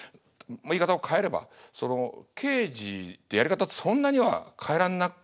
言い方を変えれば刑事ってやり方ってそんなには変えらんなくないですか？